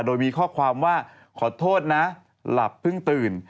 โดยมีข้อความว่าขอโทษนะหลับเพิ่งตื่น